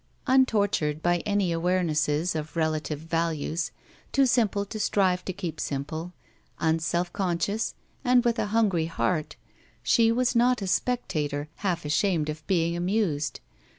Untortured by any aware nesses of relative values, too simple to strive to keep simple, tmself conscious, and with a hungry heart, she was not a spectator, half ashamed of being amused.